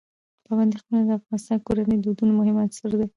پابندي غرونه د افغان کورنیو د دودونو مهم عنصر دی.